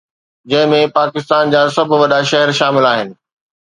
جنهن ۾ پاڪستان جا سڀ وڏا شهر شامل آهن